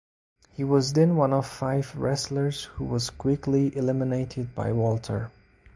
He was then one of five wrestlers who was quickly eliminated by Walter.